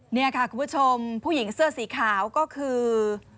นี่ค่ะคุณผู้ชมผู้หญิงเสื้อสีขาวก็คือ